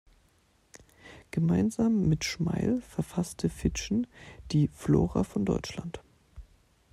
Gemeinsam mit Schmeil verfasste Fitschen die "Flora von Deutschland.